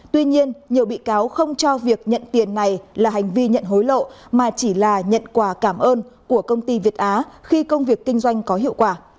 tuy nhiên nhiều bị cáo không cho việc nhận tiền này là hành vi nhận hối lộ mà chỉ là nhận quà cảm ơn của công ty việt á khi công việc kinh doanh có hiệu quả